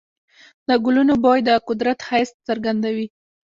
د ګلونو بوی د قدرت ښایست څرګندوي.